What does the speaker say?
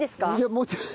もちろん。